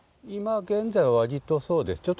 今現在は、わりとそうです。